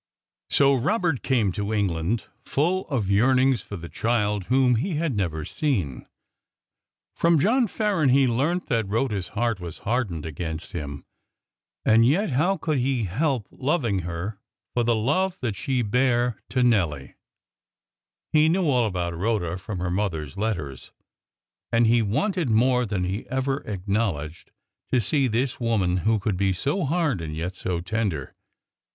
So Robert came to England, full of yearnings for the child whom he had never seen. From John Farren he learnt that Rhoda's heart was hardened against him. And yet, how could he help loving her for the love that she bare to Nelly? He knew all about Rhoda from her mother's letters. And he wanted, more than he ever acknowledged, to see this woman who could be so hard and yet so tender.